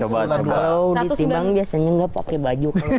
kalau ditimbang biasanya nggak pakai baju